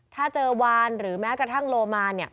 ถ้าเจอวานหรือแม้กระทั่งโลมาน